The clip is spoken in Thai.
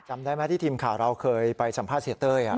จำได้ไหมที่ทีมข่าวเราเคยไปสัมภาษณ์เสียเต้ย